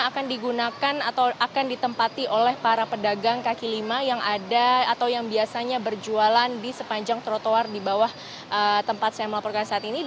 akan digunakan atau akan ditempati oleh para pedagang kaki lima yang ada atau yang biasanya berjualan di sepanjang trotoar di bawah tempat saya melaporkan saat ini